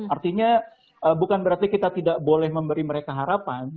artinya bukan berarti kita tidak boleh memberi mereka harapan